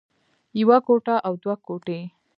يوه ګوته او دوه ګوتې